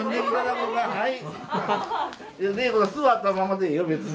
レイコさん座ったままでいいよ別に。